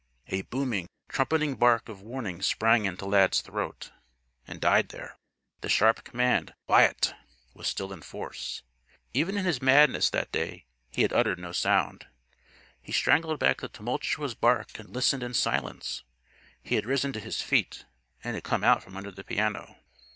A booming, trumpeting bark of warning sprang into Lad's throat and died there. The sharp command "Quiet!" was still in force. Even in his madness, that day, he had uttered no sound. He strangled back the tumultuous bark and listened in silence. He had risen to his feet and had come out from under the piano.